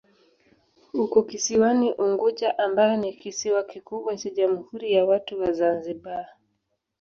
Uko kisiwani Unguja ambayo ni kisiwa kikubwa cha Jamhuri ya Watu wa Zanzibar.